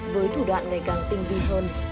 với thủ đoạn ngày càng tinh vi hơn